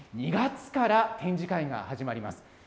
２月から展示会が始まります。